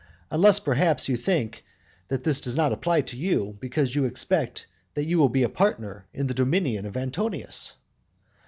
Unless, perhaps, you think that this does not apply to you, because you expect that you will be a partner in the dominion of Antonius.